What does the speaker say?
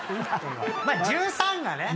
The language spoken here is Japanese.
まあ１３がね。